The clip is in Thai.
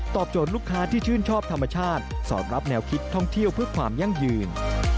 โจทย์ลูกค้าที่ชื่นชอบธรรมชาติสอดรับแนวคิดท่องเที่ยวเพื่อความยั่งยืน